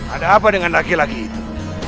ada apa dengan laki laki itu